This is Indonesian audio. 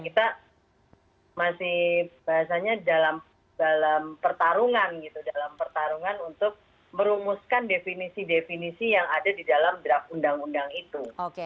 kita masih bahasanya dalam pertarungan gitu dalam pertarungan untuk merumuskan definisi definisi yang ada di dalam draft undang undang itu